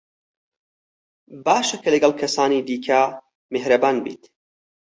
باشە کە لەگەڵ کەسانی دیکە میهرەبان بیت.